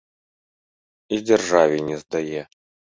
І дзяржаве не здае.